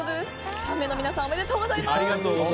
３名の皆さんおめでとうございます。